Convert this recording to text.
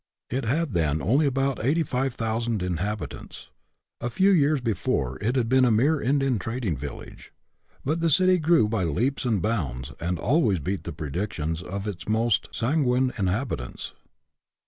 It had then only about eighty five thousand inhabitants. A few years before it had been a mere Indian trading village. But the city grew by leaps and bounds, and always beat the predictions of its most san guine inhabitants.